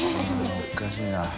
△おかしいな。